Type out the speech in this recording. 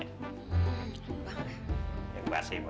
yang basi yang basi yang basi